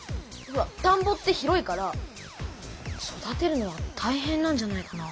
ほらたんぼって広いから育てるのはたいへんなんじゃないかな。